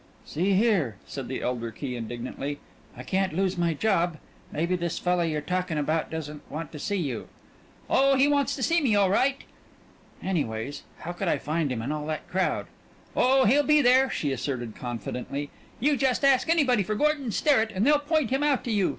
"See here," said the elder Key indignantly, "I can't lose my job. Maybe this fella you're talkin' about doesn't want to see you." "Oh, he wants to see me all right." "Anyways, how could I find him in all that crowd?" "Oh, he'll be there," she asserted confidently. "You just ask anybody for Gordon Sterrett and they'll point him out to you.